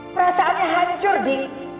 perasaannya hancur di